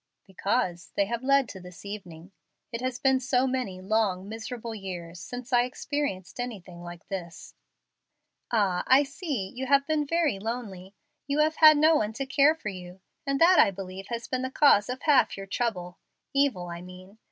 "Because they have led to this evening. It has been so many long, miserable years since I experienced anything like this." "Ah, I see, you have been very lonely. You have had no one to care for you, and that I believe has been the cause of half your trouble evil, I mean.